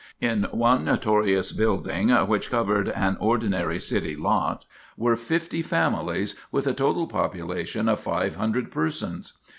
In one notorious building, which covered an ordinary city lot, were fifty families, with a total population of five hundred persons.